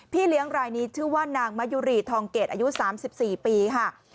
เลี้ยงรายนี้ชื่อว่านางมะยุรีทองเกรดอายุ๓๔ปีค่ะ